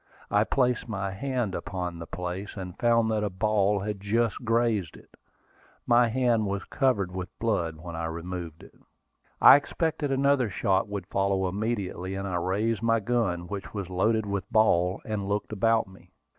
I placed my hand upon the place, and found that a ball had just grazed it. My hand was covered with blood when I removed it. I expected another shot would follow immediately, and I raised my gun, which was loaded with ball, and looked about me.